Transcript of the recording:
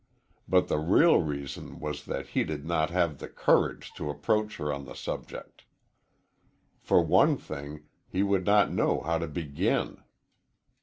But the real reason was that he did not have the courage to approach her on the subject. For one thing, he would not know how to begin.